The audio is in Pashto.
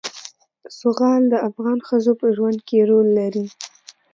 زغال د افغان ښځو په ژوند کې رول لري.